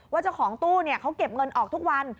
เจ้าของตู้เขาเก็บเงินออกทุกวัน